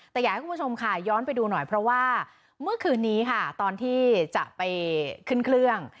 แต่อยากให้คุณผู้ชมค่ะย้อนไปดูหน่อยเพราะว่าเมื่อคืนนี้ค่ะตอนที่จะไปขึ้นเครื่อง